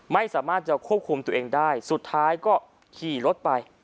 ไม่สามารถจะควบคุมตัวเองได้สุดท้ายก็ขี่รถไป